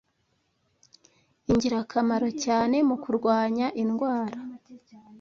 ingirakamaro cyane mu kurwanya indwara.